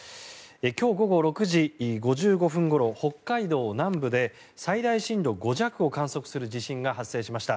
今日午後６時５５分ごろ北海道南部で最大震度５弱を観測する地震発生しました。